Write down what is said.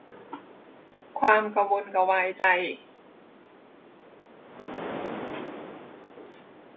ความกระวนกระวายใจ